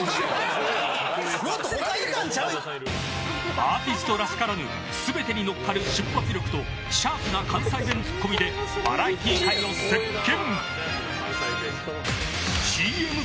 アーティストらしからぬ全てに乗っかる瞬発力とシャープな関西弁ツッコミでバラエティー界を席巻。